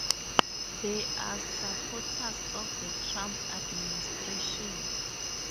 They are supporters of the Trump administration.